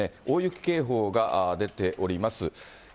大雪警報が出ております。